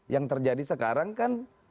yang terjadi sekarang kan